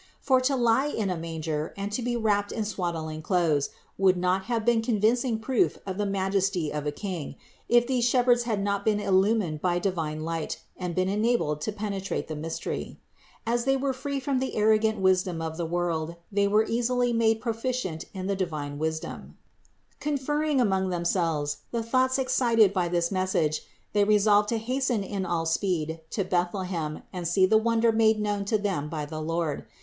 For to lie in a manger and to be wrapped in swaddling clothes, would not have been convincing proof of the majesty of a king, if these shepherds had not been illumined by divine light and been enabled to penetrate the mystery. As they were free from the arrogant wis dom of the world, they were easily made proficient in 416 CITY OF GOD the divine wisdom. Conferring among themselves the thoughts excited by this message, they resolved to hasten in all speed to Bethlehem and see the wonder made known to them by the Lord.